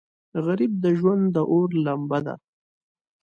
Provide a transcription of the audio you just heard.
غریب د ژوند د اور لمبه ده